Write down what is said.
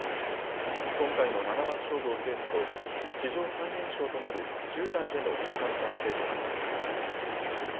今回の七番勝負を制すと史上最年少となる１０代での五冠達成となります。